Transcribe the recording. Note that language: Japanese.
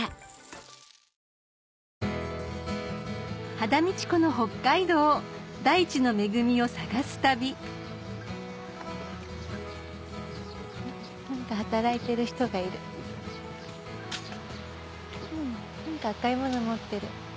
羽田美智子の北海道大地の恵みを探す旅何か赤いもの持ってる。